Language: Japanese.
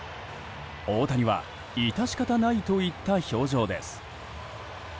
大谷は致し方ないといった表情です。